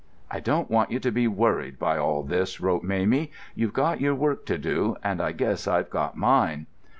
"I don't want you to be worried by all this," wrote Mamie; "you've got your work to do, and I guess I've got mine."